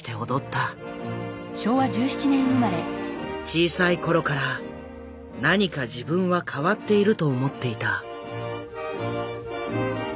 小さい頃から何か自分は変わっていると思っていた。